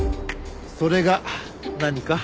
それが何か？